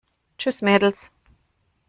Tschüss, Mädels!